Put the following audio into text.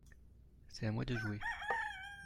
C’est à moi de jouer.